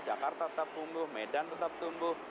jakarta tetap tumbuh medan tetap tumbuh